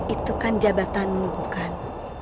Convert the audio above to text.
itu kan jabatanmu bukan